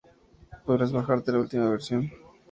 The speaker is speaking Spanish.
podrás bajarte la última versión